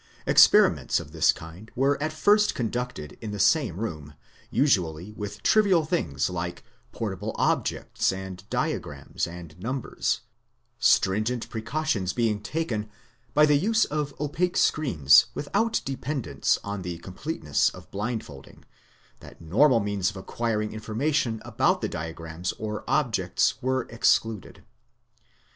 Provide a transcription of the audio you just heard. Experi ments of this kind were at first conducted in the same room, usually with trivial things like portable objects and diagrams and numbers stringent precautions being taken, by the use of opaque screens without dependence on the completeness of blindfolding, that normal means of acquiring information about the diagrams or objects were excluded.